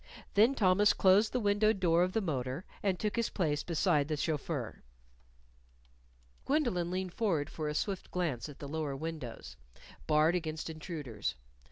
Then Thomas closed the windowed door of the motor and took his place beside the chauffeur. Gwendolyn leaned forward for a swift glance at the lower windows, barred against intruders.